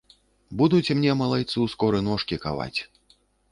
Будуць мне, малайцу, скоры ножкі каваць.